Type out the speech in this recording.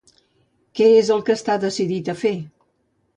Què és el que està decidit a fer?